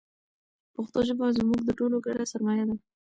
پښتو ژبه زموږ د ټولو ګډه سرمایه ده.